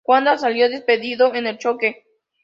Coandă salió despedido en el choque.